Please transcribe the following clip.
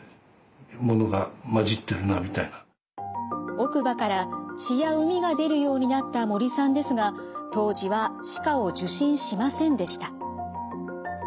奥歯から血や膿が出るようになった森さんですが当時は歯科を受診しませんでした。